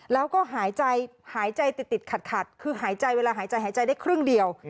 แล้วก็หายใจหายใจติดขัดคือหายใจเวลาหายใจหายใจได้ครึ่งเดียว